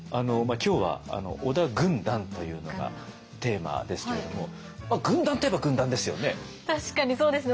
今日は織田軍団というのがテーマですけれども軍団と言えば軍団ですよね。